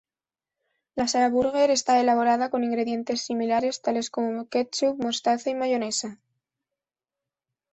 La salsa burger está elaborada con ingredientes similares, tales como ketchup, mostaza y mayonesa.